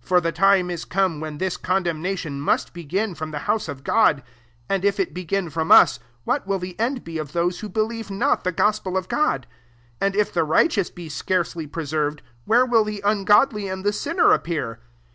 17 For the time is come when this condemnation must begin frotn the house of God : and if it begin from us, what will the end be of those who believe not ttie gospel of God ? 18 And if the righteous be scarcely pre served, where will the ungodly and the sinner appear?